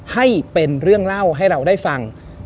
ให้เป็นเรื่องเล่าให้เราได้ฟัง